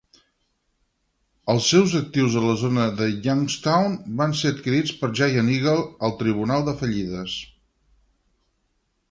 Els seus actius a la zona de Youngstown van ser adquirits per Giant Eagle al tribunal de fallides.